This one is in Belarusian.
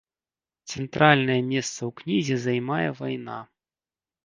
Цэнтральнае месца ў кнізе займае вайна.